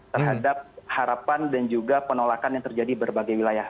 terhadap harapan dan juga penolakan yang terjadi berbagai wilayah